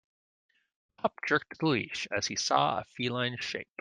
The pup jerked the leash as he saw a feline shape.